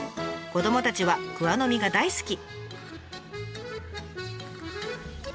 子どもたちは桑の実が大好き！